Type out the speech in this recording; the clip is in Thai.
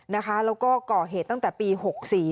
แล้วก็ก่อเหตุตั้งแต่ปี๖๔